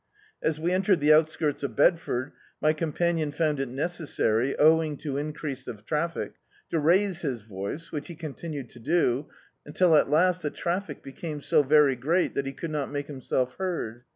As we entered the outskirts of Bedford, my ccan panion found it necessary, owing to increase of traffic, to raise bis voio, which he continued to do until at last the traffic became so very great that he could not make himself heard.